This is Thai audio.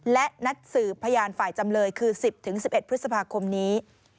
และนัดสืบพยานฝ่ายจำเลยคือ๑๐๑๑พฤษภาคมนี้